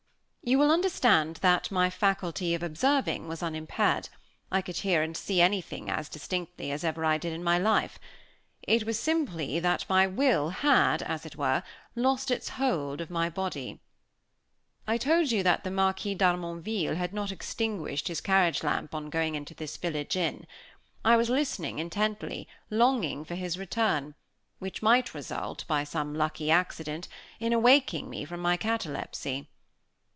You will understand that my faculty of observing was unimpaired. I could hear and see anything as distinctly as ever I did in my life. It was simply that my will had, as it were, lost its hold of my body. I told you that the Marquis d'Harmonville had not extinguished his carriage lamp on going into this village inn. I was listening intently, longing for his return, which might result, by some lucky accident, in awaking me from my catalepsy.